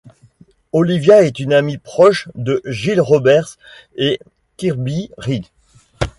Olivia est une amie proche de Jill Roberts et Kirby Reed.